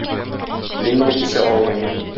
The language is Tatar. Мин моны кисә алмыйм.